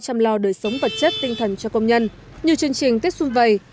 chăm lo đời sống vật chất tinh thần cho công nhân như chương trình tết xuân vầy